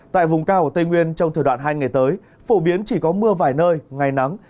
tại vùng cao của tây nguyên trong thời đoạn hai ngày tới phổ biến chỉ có mưa vài nơi ngày nắng